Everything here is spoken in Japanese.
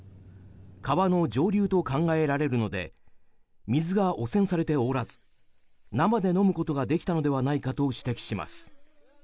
川の上流と考えられるので水が汚染されておらず生で飲むことができたのではないかと指摘します。